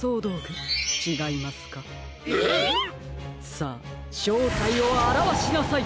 さあしょうたいをあらわしなさい！